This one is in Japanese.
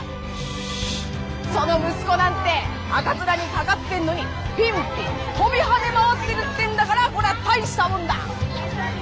その息子なんて赤面にかかってんのにピンピン跳びはね回ってるってんだからこりゃ大したもんだ！